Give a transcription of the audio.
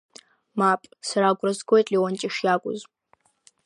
Мап, сара агәра згоит Леонти шиакәыз.